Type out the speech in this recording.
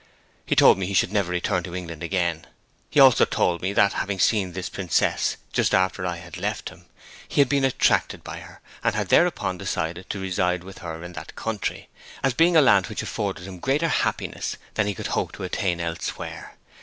He told me he should never return to England again. He also told me that having seen this princess just after I had left him, he had been attracted by her, and had thereupon decided to reside with her in that country, as being a land which afforded him greater happiness than he could hope to attain elsewhere.